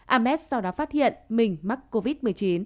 ames sau đó phát hiện mình mắc covid một mươi chín